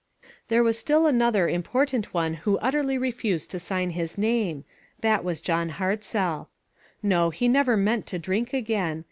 There was still another important one who utterly refused to sign his name, that was John Hartzell. No, he never meant to drink again.